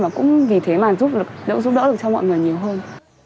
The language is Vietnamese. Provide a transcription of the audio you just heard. và cũng vì thế giúp đỡ được cho mọi người nhiều hơn